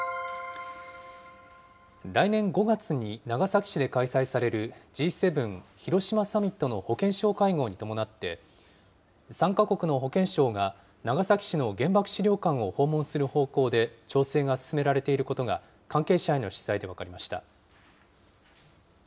来年５月に長崎市で開催されるＧ７広島サミットの保健相会合に伴って、参加国の保健相が長崎市の原爆資料館を訪問する方向で、調整が進められていることが、関係者への取材で分かりました。